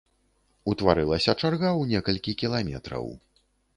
Утварылася чарга ў некалькі кіламетраў.